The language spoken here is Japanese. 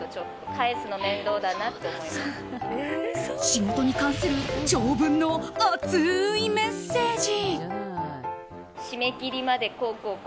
仕事に関する長文の熱いメッセージ。